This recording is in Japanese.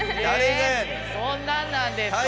そんなんなんですか？